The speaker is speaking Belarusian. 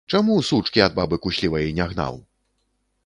Чаму сучкі ад бабы куслівай не гнаў?